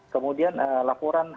kemudian laporan ya